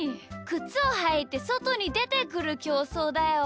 くつをはいてそとにでてくるきょうそうだよ。